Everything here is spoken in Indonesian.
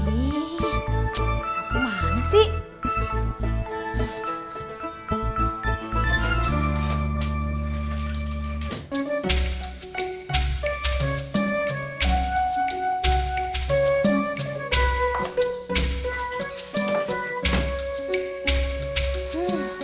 ih mana sih